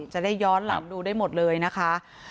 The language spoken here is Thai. จะได้ย้อนหลังดูได้หมดเลยนะคะ